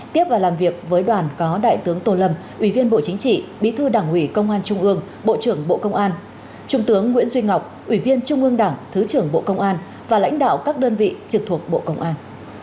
tiếp và làm việc với đoàn có đại tướng tô lâm ủy viên bộ chính trị bí thư đảng ủy công an trung ương bộ trưởng bộ công an trung tướng nguyễn duy ngọc ủy viên trung ương đảng thứ trưởng bộ công an và lãnh đạo các đơn vị trực thuộc bộ công an